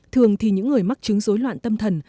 thường thì những người mắc chứng dối loạn tâm thần